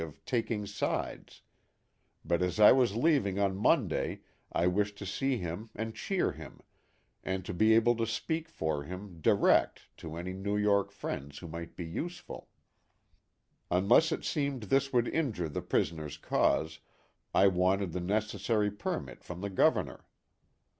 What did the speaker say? THE HAT OF THE POSTMASTER, 159 of " taking sides "; but as I was leaving on Monday, I wished to see him and cheer him, and to be able to speak for him, direct, to any New York friends who might be useful. Un less it seemed this would injure the prisoner's cause I wanted the necessary permit from the Governor.